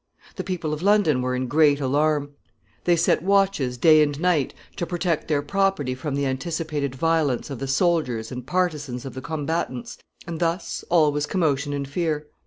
The people of London were in great alarm. They set watches day and night to protect their property from the anticipated violence of the soldiers and partisans of the combatants, and thus all was commotion and fear.